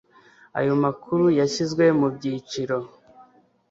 ayo makuru yashyizwe mu byiciro